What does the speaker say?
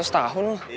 tiga ratus tahun loh